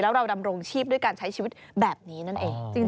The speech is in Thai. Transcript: เราดำรงชีพด้วยการใช้ชีวิตแบบนี้นั่นเอง